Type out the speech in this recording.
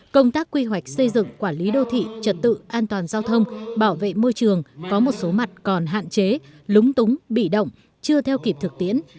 công tác quy hoạch xây dựng quản lý đô thị trật tự an toàn giao thông bảo vệ môi trường có một số mặt còn hạn chế lúng túng bị động chưa theo kịp thực tiễn